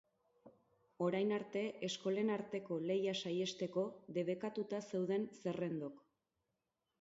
Orain arte, eskolen arteko lehia saihesteko, debekatuta zeuden zerrendok.